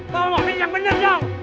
kamu mau pinjam bener dong